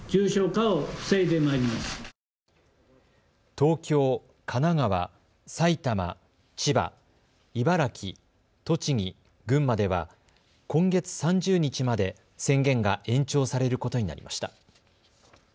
東京、神奈川、埼玉、千葉、茨城、栃木、群馬では今月３０日まで宣言が延長されることになりました。